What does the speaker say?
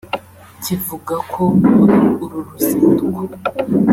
kivuga ko muri uru ruzinduko